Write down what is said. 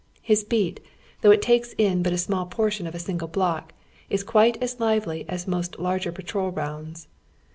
Ilia heat, though it takes in but a small portion of a single block, is quite as lively as most larger patrol rounds.